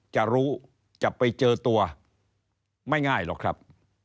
จะรู้จะไปเจอตัวไม่ง่ายหรอกครับ